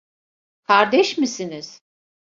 Kardeş misiniz?